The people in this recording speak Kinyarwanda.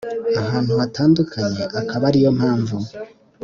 ahantu hatandukanye akaba ariyo mpamvu